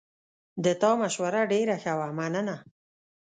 د تا مشوره ډېره ښه وه، مننه